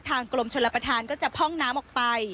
ทางกลมชนรับประทานก็จะพ่องน้ำออกไป